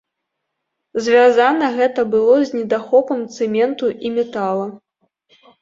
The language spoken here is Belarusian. Звязана гэта было з недахопам цэменту і метала.